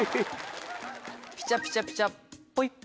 ピチャピチャピチャポイっ。